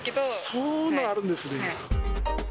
そういうのあるんですね。